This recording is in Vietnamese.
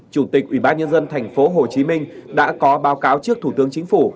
chủ tịch ủy ban nhân dân tp hcm đã có báo cáo trước thủ tướng chính phủ